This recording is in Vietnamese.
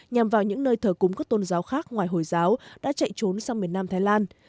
nhằm vào những nơi thờ cúng các tôn giáo khác ngoài hồi giáo đã chạy trốn sang miền nam thái lan